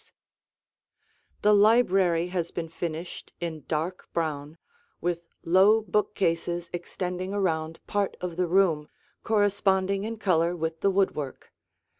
[Illustration: The Den] The library has been finished in dark brown with low bookcases extending around part of the room, corresponding in color with the woodwork.